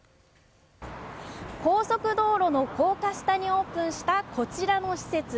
高速道路の高架下にオープンしたこちらの施設。